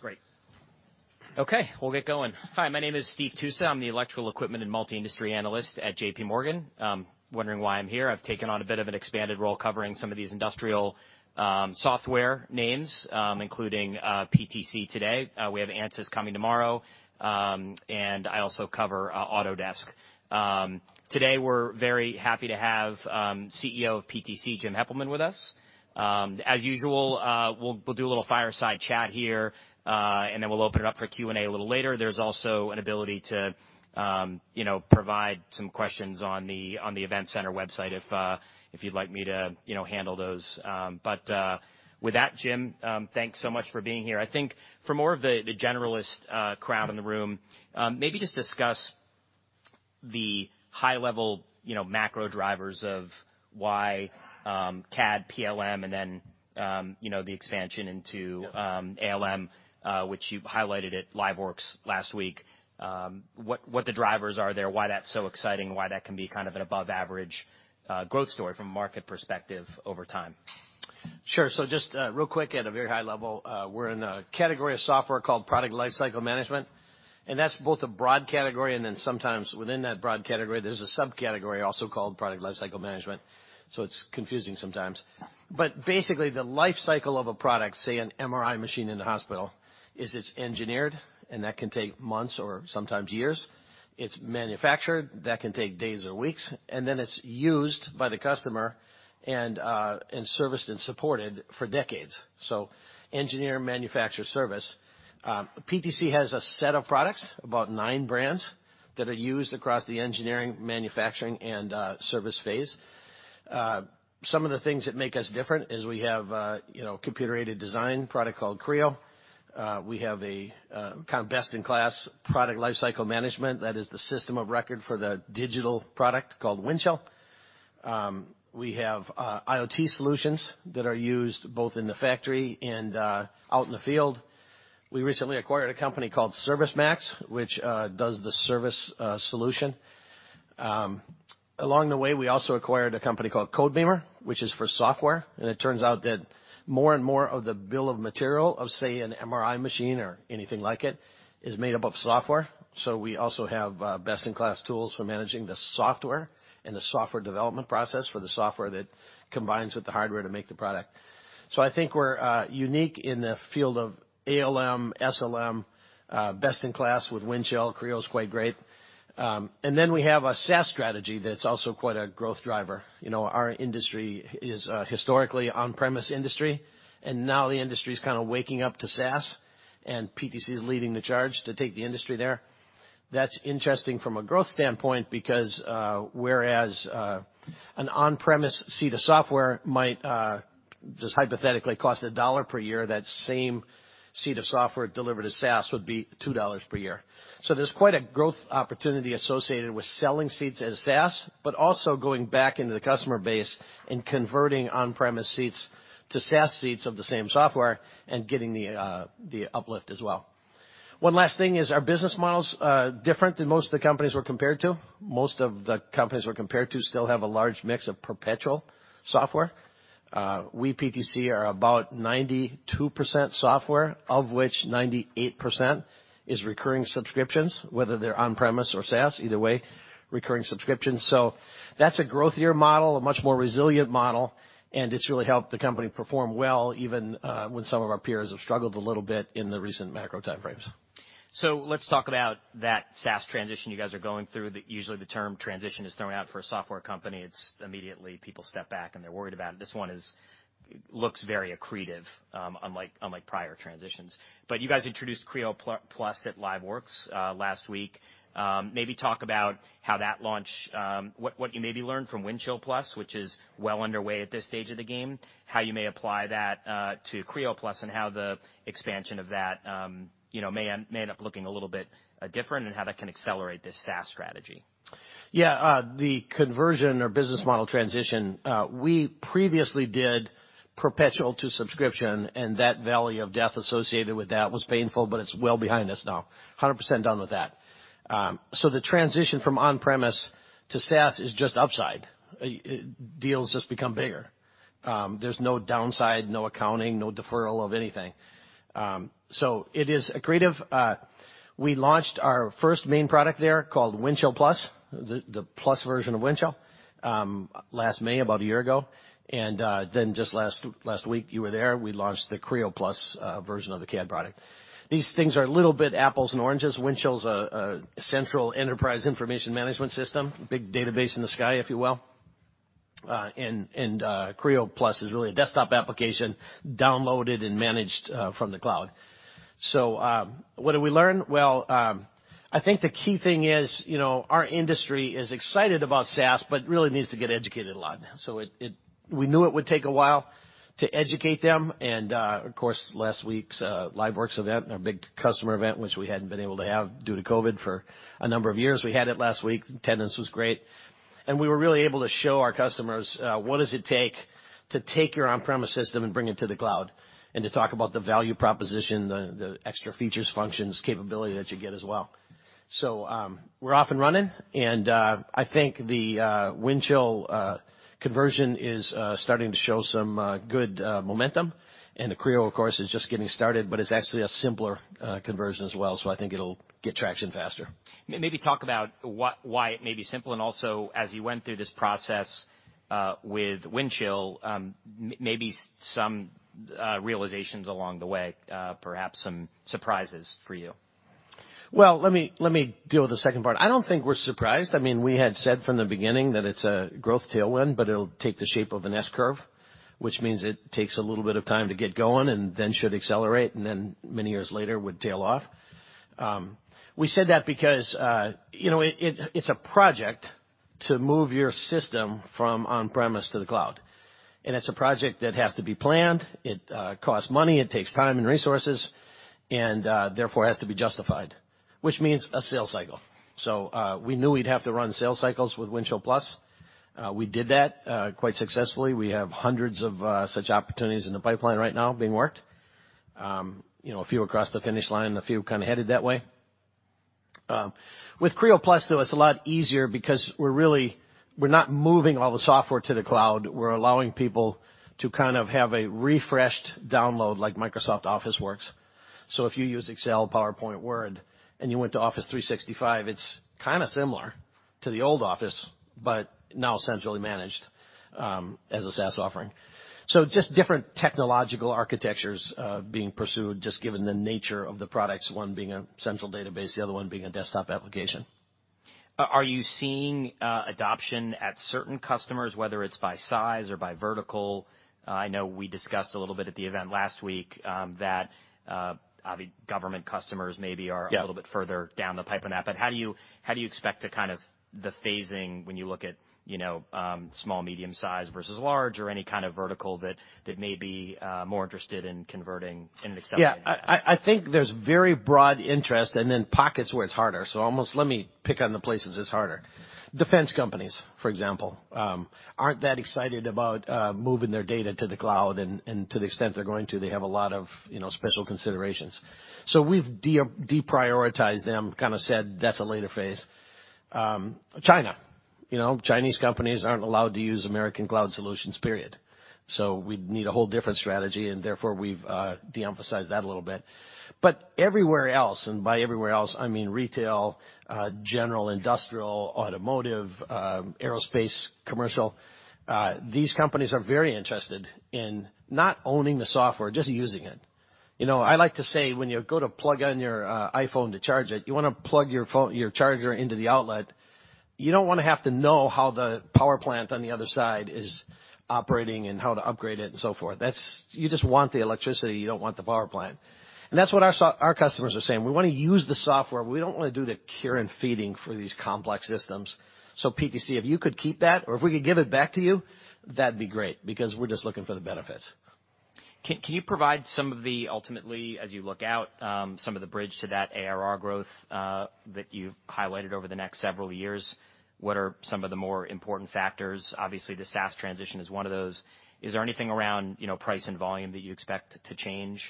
Great. Okay, we'll get going. Hi, my name is Steve Tusa. I'm the electrical equipment and multi-industry analyst at J.P. Morgan. Wondering why I'm here. I've taken on a bit of an expanded role covering some of these industrial software names, including PTC today. We have Ansys coming tomorrow, and I also cover Autodesk. Today we're very happy to have CEO of PTC, Jim Heppelmann, with us. As usual, we'll do a little fireside chat here, and then we'll open it up for Q&A a little later. There's also an ability to, you know, provide some questions on the event center website if you'd like me to, you know, handle those. With that, Jim, thanks so much for being here. I think for more of the generalist crowd in the room, maybe just discuss the high level, you know, macro drivers of why CAD, PLM, and then, you know, the expansion into-. Yep. ALM, which you highlighted at LiveWorx last week, what the drivers are there, why that's so exciting, why that can be kind of an above average growth story from a market perspective over time? Sure. Just real quick at a very high level, we're in a category of software called product lifecycle management, and that's both a broad category, and then sometimes within that broad category, there's a subcategory also called product lifecycle management. It's confusing sometimes. Yes. Basically, the life cycle of a product, say, an MRI machine in the hospital, is it's engineered, and that can take months or sometimes years. It's manufactured, that can take days or weeks, and then it's used by the customer and serviced and supported for decades. Engineer, manufacture, service. PTC has a set of products, about nine brands, that are used across the engineering, manufacturing, and service phase. Some of the things that make us different is we have a, you know, computer-aided design product called Creo. We have a kind of best-in-class product lifecycle management. That is the system of record for the digital product called Windchill. We have IoT solutions that are used both in the factory and out in the field. We recently acquired a company called ServiceMax, which does the service solution. Along the way, we also acquired a company called Codebeamer, which is for software. It turns out that more and more of the bill of materials of, say, an MRI machine or anything like it, is made up of software. We also have best-in-class tools for managing the software and the software development process for the software that combines with the hardware to make the product. I think we're unique in the field of ALM, SLM, best in class with Windchill. Creo is quite great. We have a SaaS strategy that's also quite a growth driver. You know, our industry is historically on-premise industry, and now the industry is kinda waking up to SaaS, and PTC is leading the charge to take the industry there. That's interesting from a growth standpoint because, whereas an on-premise seat of software might just hypothetically cost $1 per year, that same seat of software delivered as SaaS would be $2 per year. There's quite a growth opportunity associated with selling seats as SaaS, but also going back into the customer base and converting on-premise seats to SaaS seats of the same software and getting the uplift as well. One last thing is our business model's different than most of the companies we're compared to. Most of the companies we're compared to still have a large mix of perpetual software. We PTC are about 92% software, of which 98% is recurring subscriptions, whether they're on-premise or SaaS, either way, recurring subscriptions. That's a growthier model, a much more resilient model, and it's really helped the company perform well, even, when some of our peers have struggled a little bit in the recent macro time frames. Let's talk about that SaaS transition you guys are going through. Usually the term transition is thrown out for a software company. It's immediately people step back, and they're worried about it. This one looks very accretive, unlike prior transitions. You guys introduced Creo+ at LiveWorx last week. Maybe talk about how that launch, what you maybe learned from Windchill+, which is well underway at this stage of the game, how you may apply that to Creo+, and how the expansion of that, you know, may end up looking a little bit different and how that can accelerate this SaaS strategy. Yeah, the conversion or business model transition, we previously did perpetual to subscription, and that valley of death associated with that was painful, but it's well behind us now. 100% done with that. So the transition from on-premise to SaaS is just upside. Deals just become bigger. There's no downside, no accounting, no deferral of anything. So it is accretive. We launched our first main product there called Windchill+, the plus version of Windchill, last May, about a year ago. Then just last week you were there, we launched the Creo+ version of the CAD product. These things are a little bit apples and oranges. Windchill's a central enterprise information management system, big database in the sky, if you will. Creo+ is really a desktop application downloaded and managed from the cloud. What did we learn? Well, I think the key thing is, you know, our industry is excited about SaaS, but really needs to get educated a lot. We knew it would take a while to educate them. Of course, last week's LiveWorx event, our big customer event, which we hadn't been able to have due to COVID for a number of years. We had it last week. Attendance was great. We were really able to show our customers, what does it take to take your on-premise system and bring it to the cloud, and to talk about the value proposition, the extra features, functions, capability that you get as well. We're off and running, and I think the Windchill conversion is starting to show some good momentum. The Creo, of course, is just getting started, but it's actually a simpler conversion as well, so I think it'll get traction faster. Maybe talk about why it may be simple, and also, as you went through this process, with Windchill, maybe some realizations along the way, perhaps some surprises for you? Well, let me deal with the second part. I don't think we're surprised. I mean, we had said from the beginning that it's a growth tailwind, but it'll take the shape of an S-curve, which means it takes a little bit of time to get going and then should accelerate, and then many years later would tail off. We said that because, you know, it's a project to move your system from on-premise to the cloud. It's a project that has to be planned, it costs money, it takes time and resources, therefore, has to be justified, which means a sales cycle. We knew we'd have to run sales cycles with Windchill+. We did that quite successfully. We have hundreds of such opportunities in the pipeline right now being worked. you know, a few across the finish line and a few kinda headed that way. With Creo+, though, it's a lot easier because we're not moving all the software to the cloud. We're allowing people to kind of have a refreshed download like Microsoft Office works. If you use Excel, PowerPoint, Word, and you went to Office 365, it's kinda similar to the old Office, but now centrally managed, as a SaaS offering. Just different technological architectures, being pursued just given the nature of the products, one being a central database, the other one being a desk top application. Are you seeing adoption at certain customers, whether it's by size or by vertical? I know we discussed a little bit at the event last week that government customers maybe are. Yeah. a little bit further down the pipe on that. How do you expect to kind of the phasing when you look at, you know, small, medium size versus large or any kind of vertical that may be more interested in converting and accepting? Yeah. I think there's very broad interest and then pockets where it's harder. Almost let me pick on the places it's harder. Defense companies, for example, aren't that excited about moving their data to the cloud. To the extent they're going to, they have a lot of, you know, special considerations. We've deprioritized them, kind of said that's a later phase. China, you know, Chinese companies aren't allowed to use American cloud solutions, period. We'd need a whole different strategy, and therefore, we've de-emphasized that a little bit. Everywhere else, and by everywhere else, I mean retail, general industrial, automotive, aerospace, commercial, these companies are very interested in not owning the software, just using it. You know, I like to say when you go to plug in your iPhone to charge it, you wanna plug your charger into the outlet. You don't wanna have to know how the power plant on the other side is operating and how to upgrade it and so forth. You just want the electricity, you don't want the power plant. That's what our customers are saying. We wanna use the software, but we don't wanna do the care and feeding for these complex systems. PTC, if you could keep that or if we could give it back to you, that'd be great because we're just looking for the benefits. Can you provide some of the ultimately, as you look out, some of the bridge to that ARR growth that you've highlighted over the next several years? What are some of the more important factors? Obviously, the SaaS transition is one of those. Is there anything around, you know, price and volume that you expect to change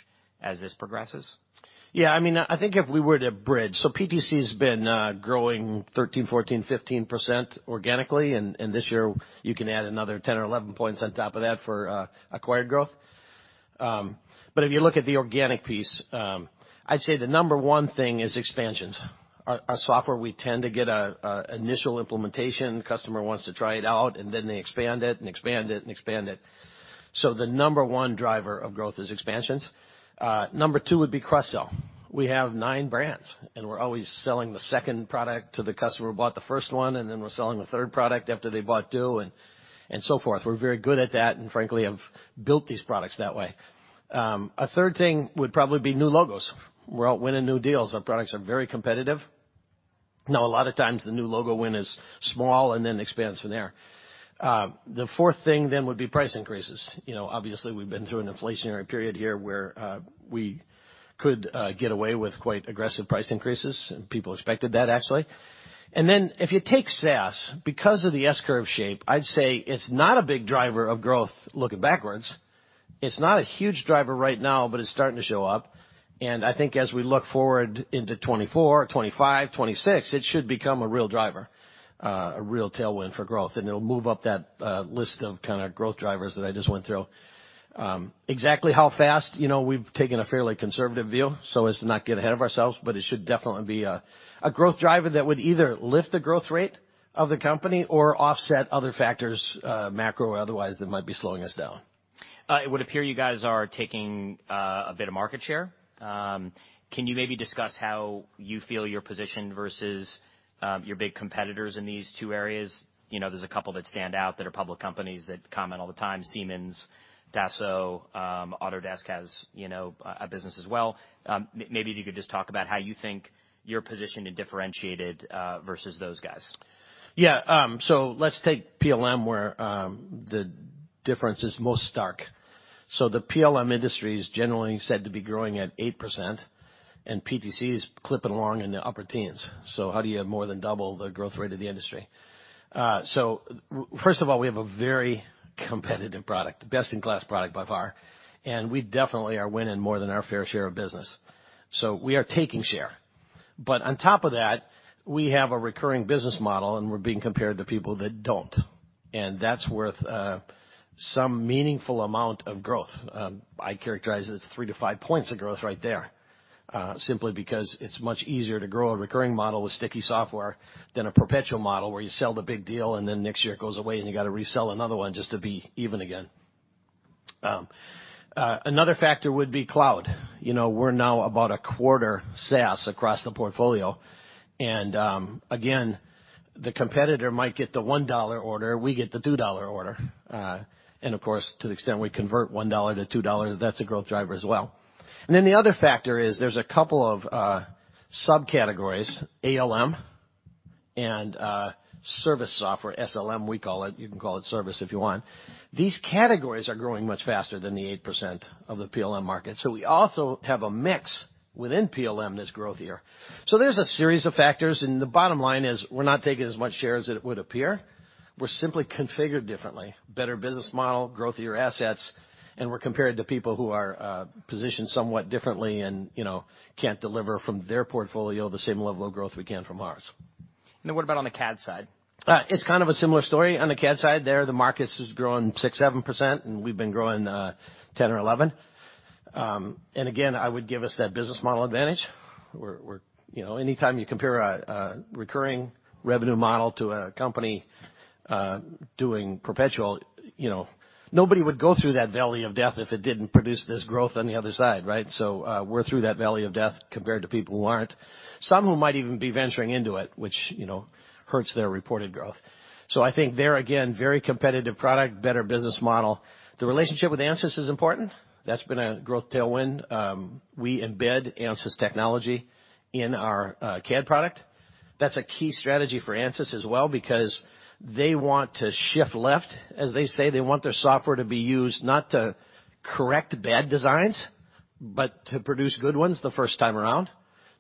as this progresses? I mean, I think if we were to bridge, PTC's been growing 13%, 14%, 15% organically, and this year you can add another 10 points or 11 points on top of that for acquired growth. If you look at the organic piece, I'd say the number one thing is expansions. Our software, we tend to get a initial implementation. The customer wants to try it out, and then they expand it and expand it and expand it. The number one driver of growth is expansions. Number two would be cross-sell. We have 9 brands, and we're always selling the second product to the customer who bought the first one, and then we're selling the third product after they bought 2 and so forth. We're very good at that and frankly have built these products that way. A third thing would probably be new logos. We're out winning new deals. Our products are very competitive. Now, a lot of times, the new logo win is small and then expands from there. The fourth thing then would be price increases. You know, obviously, we've been through an inflationary period here where we could get away with quite aggressive price increases, and people expected that actually. If you take SaaS, because of the S-curve shape, I'd say it's not a big driver of growth looking backwards. It's not a huge driver right now, but it's starting to show up. I think as we look forward into 2024, 2025, 2026, it should become a real driver, a real tailwind for growth. It'll move up that list of kinda growth drivers that I just went through. Exactly how fast, you know, we've taken a fairly conservative view so as to not get ahead of ourselves, but it should definitely be a growth driver that would either lift the growth rate of the company or offset other factors, macro or otherwise, that might be slowing us down. It would appear you guys are taking a bit of market share. Can you maybe discuss how you feel you're positioned versus your big competitors in these two areas? You know, there's a couple that stand out that are public companies that comment all the time, Siemens, Dassault, Autodesk has, you know, a business as well. Maybe if you could just talk about how you think you're positioned and differentiated versus those guys. Let's take PLM, where the difference is most stark. The PLM industry is generally said to be growing at 8%, and PTC is clipping along in the upper teens. How do you have more than double the growth rate of the industry? First of all, we have a very competitive product, the best-in-class product by far, and we definitely are winning more than our fair share of business. We are taking share. On top of that, we have a recurring business model, and we're being compared to people that don't, and that's worth some meaningful amount of growth. I characterize it as 3 points-5 points of growth right there, simply because it's much easier to grow a recurring model with sticky software than a perpetual model where you sell the big deal and then next year it goes away and you gotta resell another one just to be even again. Another factor would be cloud. You know, we're now about a quarter SaaS across the portfolio. Again, the competitor might get the $1 order, we get the $2 order. Of course, to the extent we convert $1-$2, that's a growth driver as well. Then the other factor is there's a couple of subcategories, ALM and service software, SLM, we call it. You can call it service if you want. These categories are growing much faster than the 8% of the PLM market. We also have a mix within PLM that's growthier. There's a series of factors, and the bottom line is we're not taking as much share as it would appear. We're simply configured differently. Better business model, growthier assets, and we're compared to people who are positioned somewhat differently and, you know, can't deliver from their portfolio the same level of growth we can from ours. What about on the CAD side? It's kind of a similar story on the CAD side. There, the market is growing 6%-7%, and we've been growing 10% or 11%. Again, I would give us that business model advantage. We're, you know, anytime you compare a recurring revenue model to a company doing perpetual, you know, nobody would go through that valley of death if it didn't produce this growth on the other side, right? We're through that valley of death compared to people who aren't. Some who might even be venturing into it, which, you know, hurts their reported growth. I think there again, very competitive product, better business model. The relationship with Ansys is important. That's been a growth tailwind. We embed Ansys technology in our CAD product. That's a key strategy for Ansys as well because they want to shift left, as they say. They want their software to be used not to correct bad designs, but to produce good ones the first time around.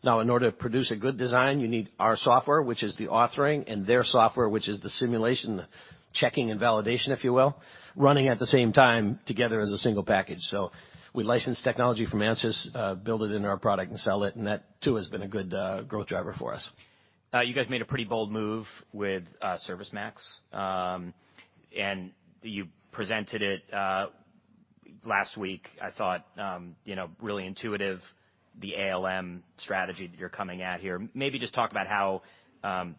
In order to produce a good design, you need our software, which is the authoring, and their software, which is the simulation, the checking and validation, if you will, running at the same time together as a single package. We license technology from Ansys, build it into our product and sell it, and that too has been a good growth driver for us. You guys made a pretty bold move with ServiceMax. You presented it last week. I thought, you know, really intuitive, the ALM strategy that you're coming at here. Maybe just talk about how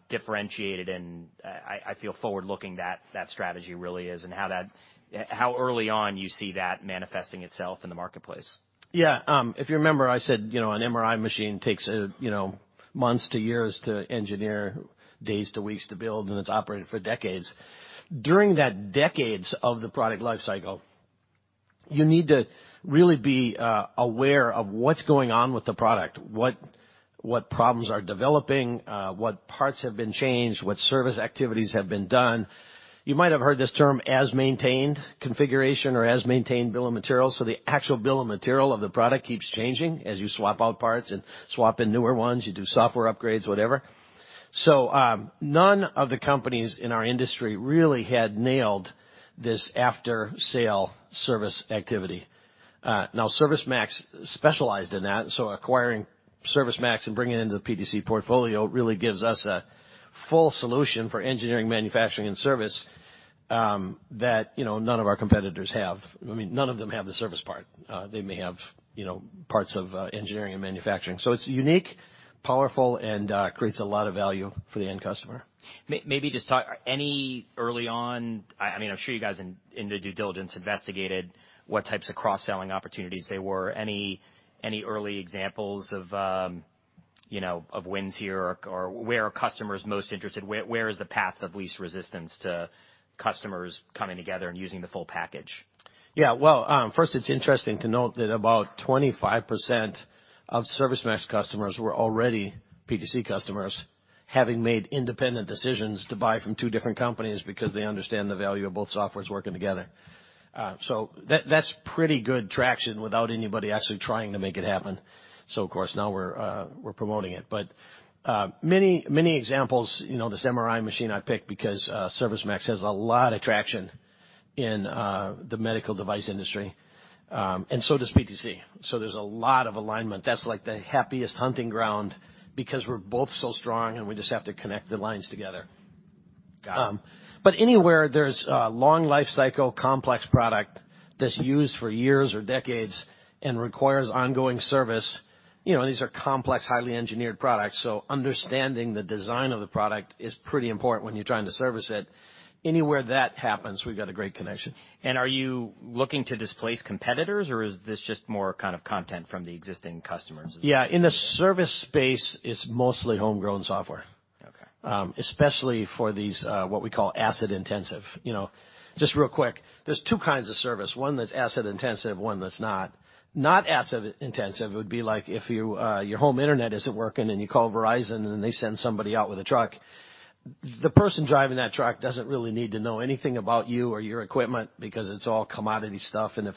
differentiated and I feel forward-looking that strategy really is and how early on you see that manifesting itself in the marketplace. Yeah. If you remember, I said, you know, an MRI machine takes months to years to engineer, days to weeks to build, and it's operated for decades. During that decades of the product life cycle, you need to really be aware of what's going on with the product, what problems are developing, what parts have been changed, what service activities have been done. You might have heard this term as-maintained configuration or as-maintained bill of materials. The actual bill of materials of the product keeps changing as you swap out parts and swap in newer ones, you do software upgrades, whatever. None of the companies in our industry really had nailed this after-sale service activity. Now, ServiceMax specialized in that, so acquiring ServiceMax and bringing it into the PTC portfolio really gives us a full solution for engineering, manufacturing, and service, that, you know, none of our competitors have. I mean, none of them have the service part. They may have, you know, parts of engineering and manufacturing. It's unique, powerful, and creates a lot of value for the end customer. Maybe just talk any early on. I mean, I'm sure you guys in the due diligence investigated what types of cross-selling opportunities there were. Any early examples of, you know, of wins here or where are customers most interested? Where is the path of least resistance to customers coming together and using the full package? Yeah. Well, first, it's interesting to note that about 25% of ServiceMax customers were already PTC customers, having made independent decisions to buy from two different companies because they understand the value of both softwares working together. That's pretty good traction without anybody actually trying to make it happen. Of course, now we're promoting it. Many examples, you know, this MRI machine I picked because ServiceMax has a lot of traction in the medical device industry, and so does PTC, so there's a lot of alignment. That's like the happiest hunting ground because we're both so strong, and we just have to connect the lines together. Got it. Anywhere there's a long life cycle, complex product that's used for years or decades and requires ongoing service, you know, these are complex, highly engineered products, so understanding the design of the product is pretty important when you're trying to service it. Anywhere that happens, we've got a great connection. Are you looking to displace competitors, or is this just more kind of content from the existing customers? Yeah. In the service space, it's mostly homegrown software. Okay. Especially for these, what we call asset intensive. You know, just real quick, there's two kinds of service. One that's asset intensive, one that's not. Not asset intensive would be like if you, your home internet isn't working, and you call Verizon, and they send somebody out with a truck. The person driving that truck doesn't really need to know anything about you or your equipment because it's all commodity stuff, and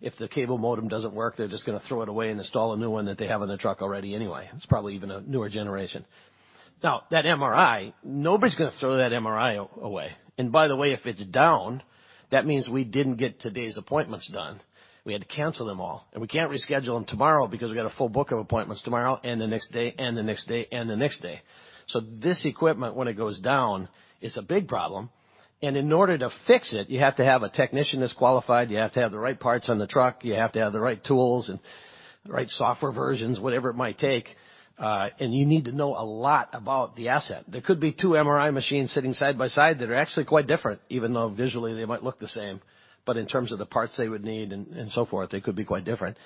if the cable modem doesn't work, they're just gonna throw it away and install a new one that they have in the truck already anyway. It's probably even a newer generation. Now that MRI, nobody's gonna throw that MRI away. By the way, if it's down, that means we didn't get today's appointments done. We had to cancel them all, and we can't reschedule them tomorrow because we got a full book of appointments tomorrow and the next day and the next day and the next day. This equipment when it goes down, is a big problem. In order to fix it, you have to have a technician that's qualified, you have to have the right parts on the truck, you have to have the right tools and the right software versions, whatever it might take, and you need to know a lot about the asset. There could be two MRI machines sitting side by side that are actually quite different, even though visually they might look the same. In terms of the parts they would need and so forth, they could be quite different.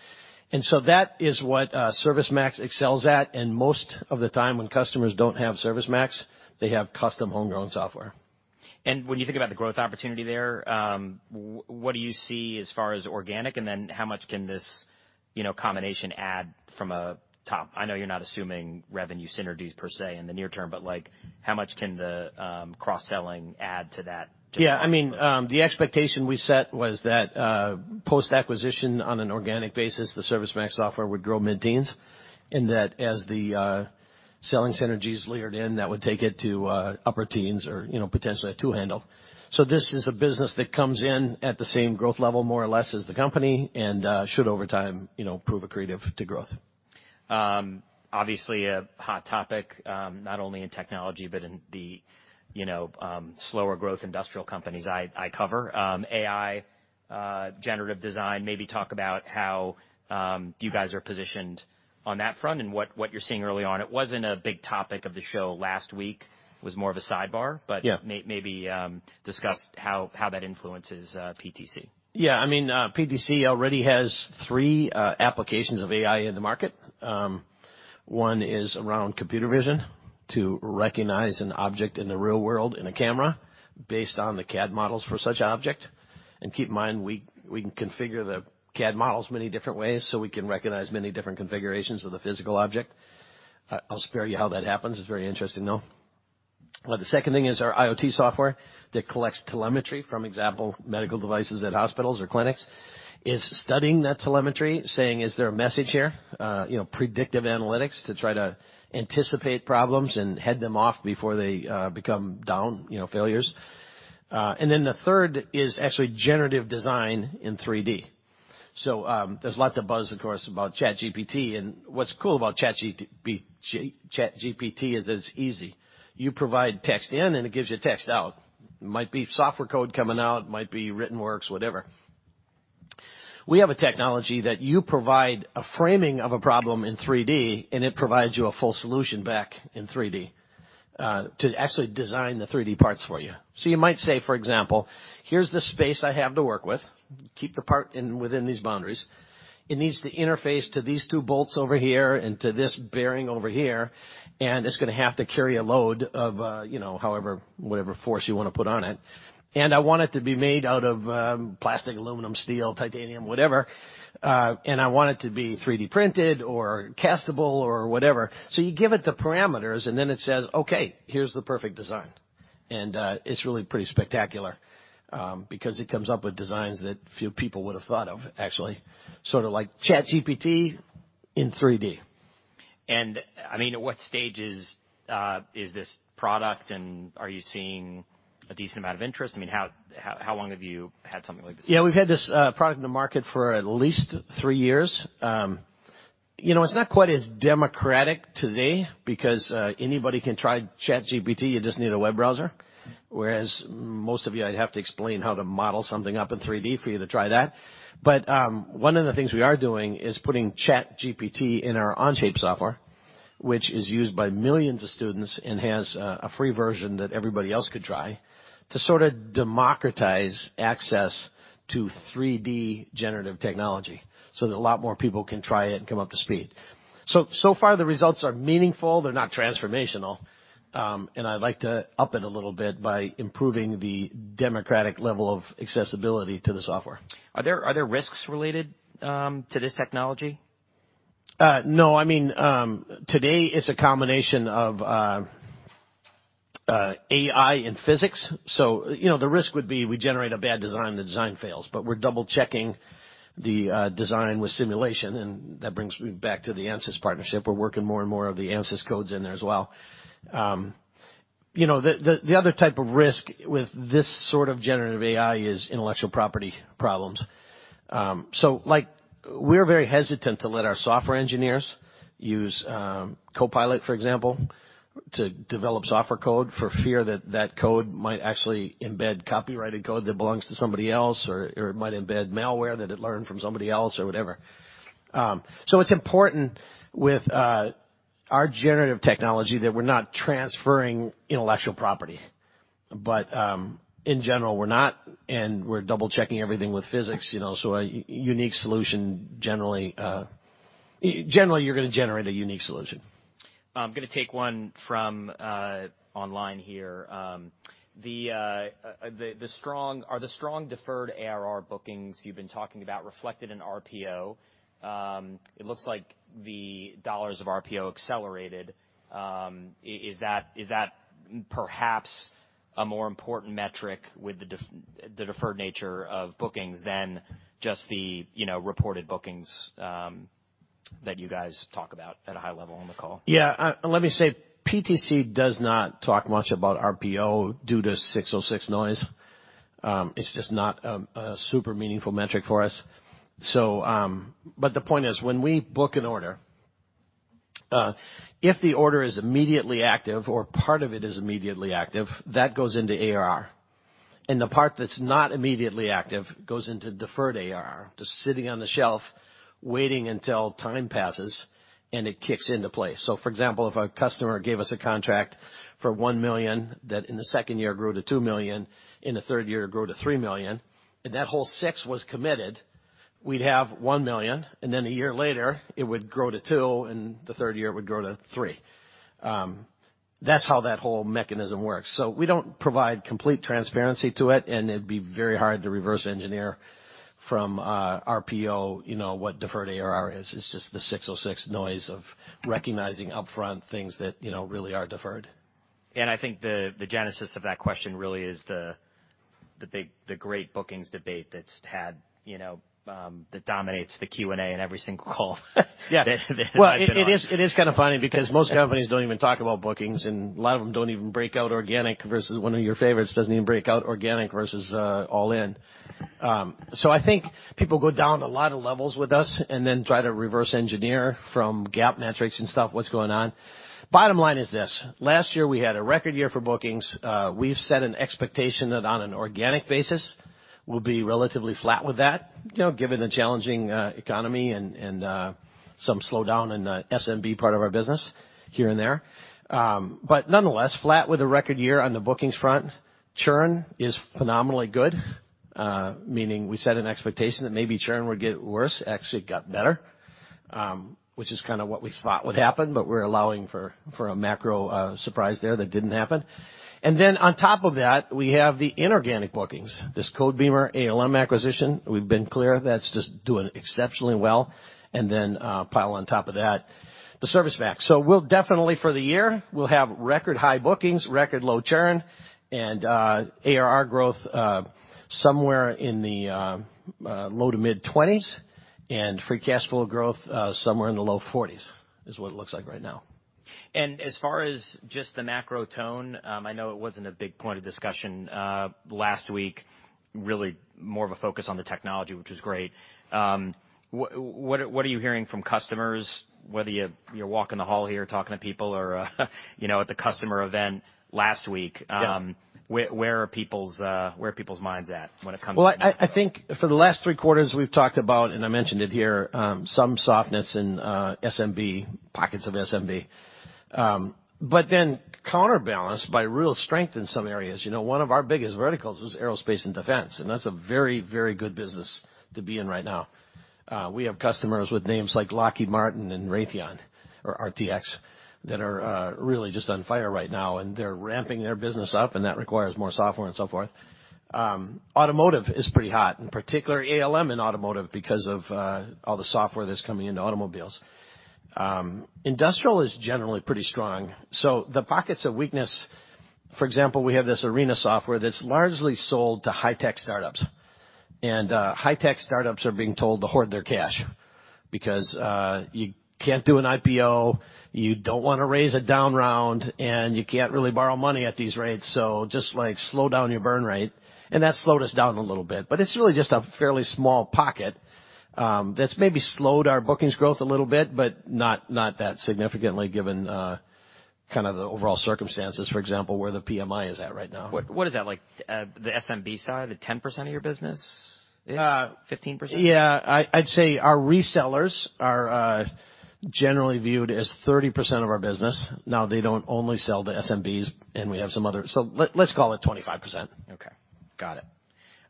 That is what ServiceMax excels at. Most of the time when customers don't have ServiceMax, they have Custom Homegrown Software. When you think about the growth opportunity there, what do you see as far as organic? Then how much can this, you know, combination add from a top? I know you're not assuming revenue synergies per se in the near term, but like, how much can the cross-selling add to that? Yeah. I mean, the expectation we set was that, post-acquisition on an organic basis, the ServiceMax software would grow mid-teens, and that as the selling synergies layered in, that would take it to upper teens or, you know, potentially a two handle. This is a business that comes in at the same growth level more or less as the company, and should over time, you know, prove accretive to growth. Obviously a hot topic, not only in technology but in the, you know, slower growth industrial companies I cover. AI, generative design, maybe talk about how you guys are positioned on that front and what you're seeing early on. It wasn't a big topic of the show last week. It was more of a sidebar. Yeah. Maybe discuss how that influences PTC. Yeah. I mean, PTC already has 3 applications of AI in the market. 1 is around computer vision to recognize an object in the real world in a camera based on the CAD models for such object. Keep in mind, we can configure the CAD models many different ways, so we can recognize many different configurations of the physical object. I'll spare you how that happens. It's very interesting though. The 2nd thing is our IoT software that collects telemetry, from example, medical devices at hospitals or clinics. It's studying that telemetry saying, is there a message here? You know, predictive analytics to try to anticipate problems and head them off before they become down, you know, failures. The 3rd is actually generative design in 3D. There's lots of buzz of course about ChatGPT. What's cool about ChatGPT is that it's easy. You provide text in, and it gives you text out. Might be software code coming out, might be written works, whatever. We have a technology that you provide a framing of a problem in 3D, and it provides you a full solution back in 3D to actually design the 3D parts for you. You might say, for example, "Here's the space I have to work with. Keep the part in within these boundaries. It needs to interface to these two bolts over here and to this bearing over here, and it's gonna have to carry a load of, you know, however, whatever force you wanna put on it. I want it to be made out of plastic, aluminum, steel, titanium, whatever, and I want it to be 3D printed or castable or whatever. You give it the parameters, and then it says, "Okay, here's the perfect design." It's really pretty spectacular because it comes up with designs that few people would have thought of actually, sort of like ChatGPT in 3D. I mean, at what stage is this product, and are you seeing a decent amount of interest? I mean, how long have you had something like this? Yeah, we've had this product in the market for at least three years. You know, it's not quite as democratic today because anybody can try ChatGPT, you just need a web browser. Whereas most of you, I'd have to explain how to model something up in 3D for you to try that. One of the things we are doing is putting ChatGPT in our Onshape software, which is used by millions of students and has a free version that everybody else could try to sort of democratize access to 3D generative technology so that a lot more people can try it and come up to speed. So far the results are meaningful. They're not transformational. I'd like to up it a little bit by improving the democratic level of accessibility to the software. Are there risks related to this technology? No. I mean, today it's a combination of AI and physics. You know, the risk would be we generate a bad design, the design fails, but we're double-checking the design with simulation, and that brings me back to the Ansys partnership. We're working more and more of the Ansys codes in there as well. You know, the other type of risk with this sort of generative AI is intellectual property problems. Like we're very hesitant to let our software engineers use Copilot, for example, to develop software code for fear that that code might actually embed copyrighted code that belongs to somebody else or it might embed malware that it learned from somebody else or whatever. It's important with our generative technology that we're not transferring intellectual property. In general, we're not, and we're double-checking everything with physics, you know, so a unique solution generally, you're gonna generate a unique solution. I'm gonna take one from online here. Are the strong deferred ARR bookings you've been talking about reflected in RPO? It looks like the dollars of RPO accelerated. Is that perhaps a more important metric with the deferred nature of bookings than just the, you know, reported bookings growth that you guys talk about at a high level on the call? Yeah. Let me say PTC does not talk much about RPO due to 606 noise. It's just not a super meaningful metric for us. The point is, when we book an order, if the order is immediately active or part of it is immediately active, that goes into ARR. The part that's not immediately active goes into deferred ARR, just sitting on the shelf waiting until time passes, and it kicks into place. For example, if a customer gave us a contract for $1 million, that in the second year grew to $2 million, in the third year grew to $3 million, and that whole $6 million was committed, we'd have $1 million, then a year later it would grow to $2 million, and the third year it would grow to $3 million. That's how that whole mechanism works. We don't provide complete transparency to it, and it'd be very hard to reverse engineer from RPO, you know, what deferred ARR is. It's just the 606 noise of recognizing upfront things that, you know, really are deferred. I think the genesis of that question really is the great bookings debate that's had, you know, that dominates the Q&A in every single call. Yeah. That I've been on. It is kind of funny because most companies don't even talk about bookings, and a lot of them don't even break out organic versus one of your favorites, doesn't even break out organic versus all-in. I think people go down a lot of levels with us and then try to reverse engineer from GAAP metrics and stuff what's going on. Bottom line is this, last year we had a record year for bookings. We've set an expectation that on an organic basis, we'll be relatively flat with that, you know, given the challenging economy and some slowdown in the SMB part of our business here and there. Nonetheless flat with a record year on the bookings front. Churn is phenomenally good, meaning we set an expectation that maybe churn would get worse, actually it got better, which is kind of what we thought would happen, but we're allowing for a macro surprise there that didn't happen. On top of that, we have the inorganic bookings, this Codebeamer ALM acquisition. We've been clear that's just doing exceptionally well. Pile on top of that, the ServiceMax. We'll definitely for the year, we'll have record high bookings, record low churn, and ARR growth somewhere in the low to mid-20s and free cash flow growth somewhere in the low 40s is what it looks like right now. As far as just the macro tone, I know it wasn't a big point of discussion last week, really more of a focus on the technology, which was great. What are you hearing from customers, whether you're walking the hall here talking to people or, you know, at the customer event last week? Yeah. Where are people's minds at when it comes to macro? Well, I think for the last 3 quarters we've talked about, and I mentioned it here, some softness in SMB, pockets of SMB. Counterbalanced by real strength in some areas. You know, one of our biggest verticals was aerospace and defense, and that's a very, very good business to be in right now. We have customers with names like Lockheed Martin and Raytheon or RTX that are really just on fire right now, and they're ramping their business up, and that requires more software and so forth. Automotive is pretty hot, in particular ALM in automotive because of all the software that's coming into automobiles. Industrial is generally pretty strong. The pockets of weakness... For example, we have this Arena software that's largely sold to high-tech startups. High-tech startups are being told to hoard their cash because you can't do an IPO, you don't wanna raise a down round, and you can't really borrow money at these rates. Just like slow down your burn rate. That slowed us down a little bit, but it's really just a fairly small pocket that's maybe slowed our bookings growth a little bit, but not that significantly given kind of the overall circumstances, for example, where the PMI is at right now. What is that like, the SMB side, the 10% of your business? Uh- 15%? Yeah. I'd say our resellers are generally viewed as 30% of our business. Now they don't only sell to SMBs, and we have some other... let's call it 25%. Okay. Got it.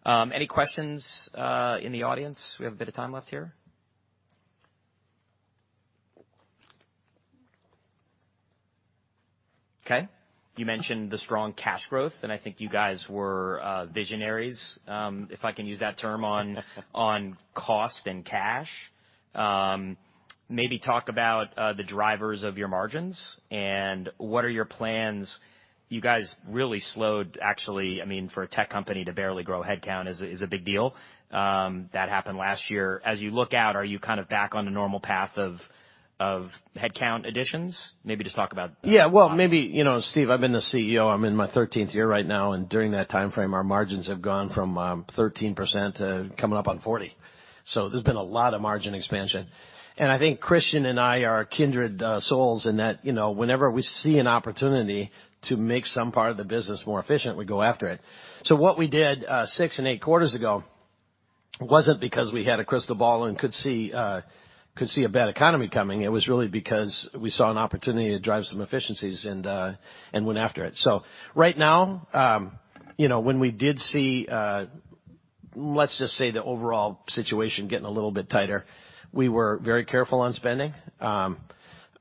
Any questions in the audience? We have a bit of time left here. Okay. You mentioned the strong cash growth, and I think you guys were visionaries, if I can use that term On cost and cash. Maybe talk about the drivers of your margins and what are your plans... You guys really slowed actually, I mean, for a tech company to barely grow headcount is a big deal, that happened last year. As you look out, are you kind of back on the normal path of headcount additions? Maybe just talk about that a lot. Yeah. Well, maybe. You know, Steve, I've been the CEO, I'm in my 13th year right now, and during that timeframe, our margins have gone from 13% to coming up on 40%. There's been a lot of margin expansion. I think Christian and I are kindred souls in that, you know, whenever we see an opportunity to make some part of the business more efficient, we go after it. What we did, six and eight quarters ago wasn't because we had a crystal ball and could see a bad economy coming. It was really because we saw an opportunity to drive some efficiencies and went after it. Right now, you know, when we did see, let's just say, the overall situation getting a little bit tighter, we were very careful on spending.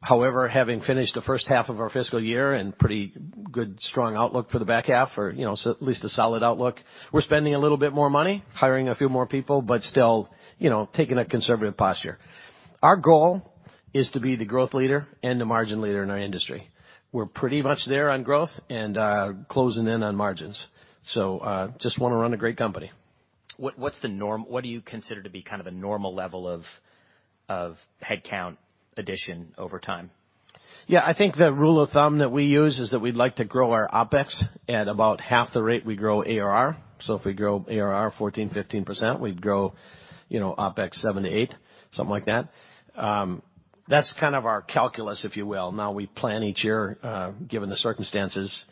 However, having finished the first half of our fiscal year and pretty good, strong outlook for the back half or, you know, at least a solid outlook, we're spending a little bit more money, hiring a few more people, but still, you know, taking a conservative posture. Our goal is to be the growth leader and the margin leader in our industry. We're pretty much there on growth and closing in on margins. Just wanna run a great company. What do you consider to be kind of a normal level of headcount addition over time? I think the rule of thumb that we use is that we'd like to grow our OpEx at about half the rate we grow ARR. If we grow ARR 14%-15%, we'd grow, you know, OpEx 7%-8%, something like that. That's kind of our calculus, if you will. We plan each year, given the circumstances,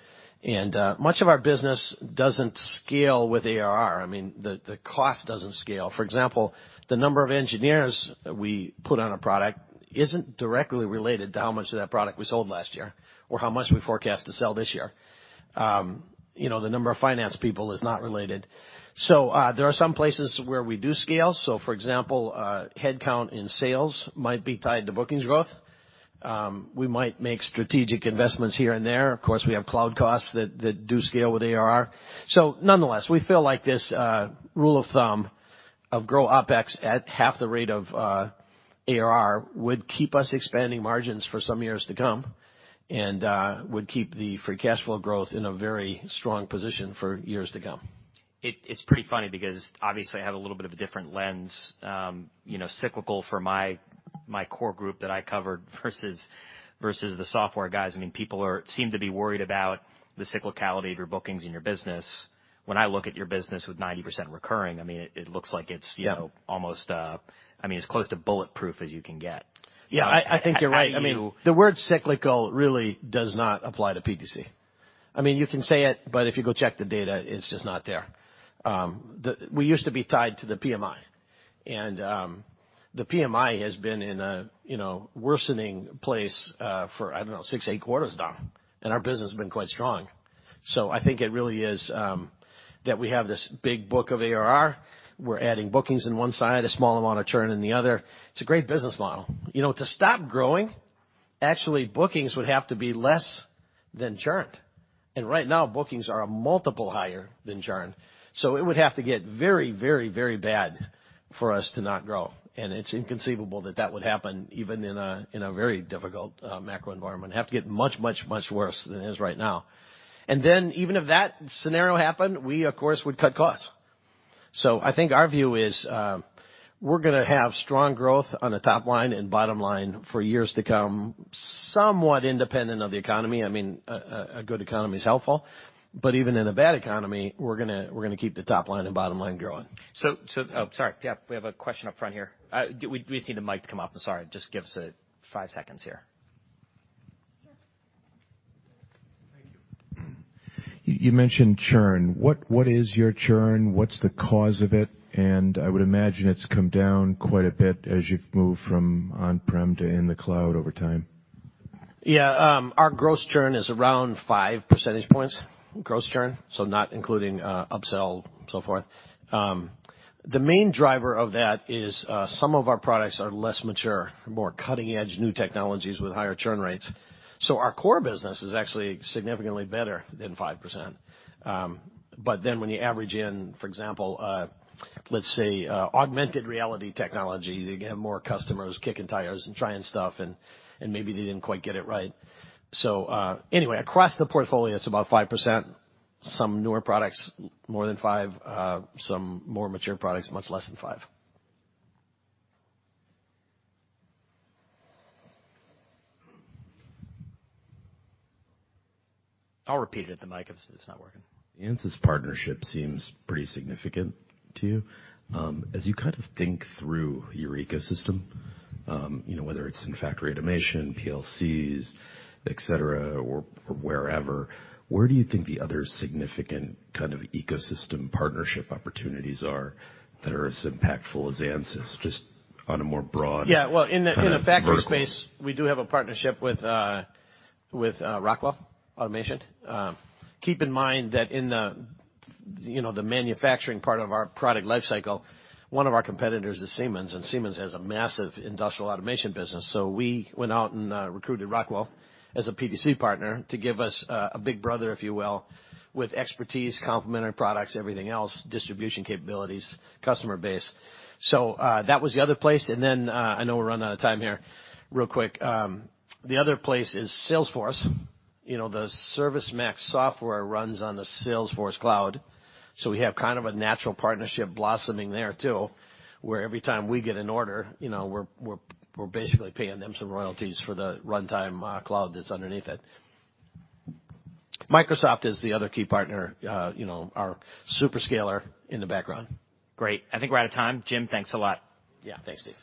much of our business doesn't scale with ARR. I mean, the cost doesn't scale. For example, the number of engineers we put on a product isn't directly related to how much of that product we sold last year or how much we forecast to sell this year. You know, the number of finance people is not related. There are some places where we do scale. For example, headcount in sales might be tied to bookings growth. We might make strategic investments here and there. Of course, we have cloud costs that do scale with ARR. Nonetheless, we feel like this rule of thumb of grow OpEx at half the rate of ARR would keep us expanding margins for some years to come and would keep the free cash flow growth in a very strong position for years to come. It's pretty funny because obviously I have a little bit of a different lens, you know, cyclical for my core group that I covered versus the software guys. I mean, people seem to be worried about the cyclicality of your bookings in your business. When I look at your business with 90% recurring, I mean, it looks like it's, you know. Yeah. almost, I mean, as close to bulletproof as you can get. I think you're right. I mean, the word cyclical really does not apply to PTC. I mean, you can say it, but if you go check the data, it's just not there. We used to be tied to the PMI, and the PMI has been in a, you know, worsening place, for, I don't know, six, eight quarters now, and our business has been quite strong. I think it really is that we have this big book of ARR. We're adding bookings in one side, a small amount of churn in the other. It's a great business model. You know, to stop growing, actually bookings would have to be less than churned. Right now bookings are a multiple higher than churn. It would have to get very, very, very bad for us to not grow, and it's inconceivable that that would happen even in a very difficult macro environment. It'd have to get much, much, much worse than it is right now. Even if that scenario happened, we of course would cut costs. I think our view is, we're gonna have strong growth on the top line and bottom line for years to come, somewhat independent of the economy. I mean, a good economy is helpful, but even in a bad economy, we're gonna keep the top line and bottom line growing. Sorry. Yeah. We have a question up front here. We just need the mic to come up. Sorry. Just give us 5 seconds here. Sure. Thank you. You mentioned churn. What is your churn? What's the cause of it? I would imagine it's come down quite a bit as you've moved from On-Prem to in the cloud over time. Yeah. Our gross churn is around 5 percentage points, gross churn, so not including upsell and so forth. The main driver of that is some of our products are less mature and more cutting-edge new technologies with higher churn rates. Our core business is actually significantly better than 5%. When you average in, for example, let's say augmented reality technology, they get more customers kicking tires and trying stuff, and maybe they didn't quite get it right. Anyway, across the portfolio, it's about 5%. Some newer products, more than 5. Some more mature products, much less than 5. I'll repeat it in the mic if it's not working. The Ansys partnership seems pretty significant to you. As you kind of think through your ecosystem, you know, whether it's in factory automation, PLCs, et cetera, or wherever, where do you think the other significant kind of ecosystem partnership opportunities are that are as impactful as Ansys, just on a more broad-... Yeah. Well, in the. kind of vertical. In the factory space, we do have a partnership with Rockwell Automation. Keep in mind that in the, you know, the manufacturing part of our product lifecycle, one of our competitors is Siemens. Siemens has a massive industrial automation business. We went out and recruited Rockwell as a PTC partner to give us a big brother, if you will, with expertise, complementary products, everything else, distribution capabilities, customer base. That was the other place. I know we're running out of time here. Real quick, the other place is Salesforce. You know, the ServiceMax software runs on the Salesforce cloud. We have kind of a natural partnership blossoming there too, where every time we get an order, you know, we're basically paying them some royalties for the runtime cloud that's underneath it. Microsoft is the other key partner, you know, our hyperscaler in the background. Great. I think we're out of time. Jim, thanks a lot. Yeah. Thanks, Steve.